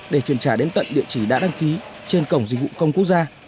để chuyển trả đến tận địa chỉ đã đăng ký trên cổng dịch vụ không quốc gia